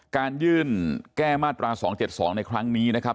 การยื่นแก้มาตรา๒๗๒ในครั้งนี้นะครับ